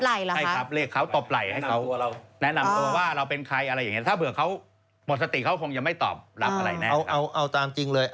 เรียกเขาตบไหล่ให้เขาแนะนำตัวว่าเราเป็นใครอะไรอย่างนี้ถ้าเผื่อเขาหมดสติเขาคงยังไม่ตอบรับอะไรแน่ครับ